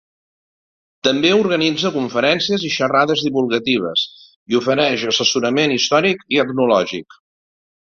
També organitza conferències i xerrades divulgatives i ofereix assessorament històric i etnològic.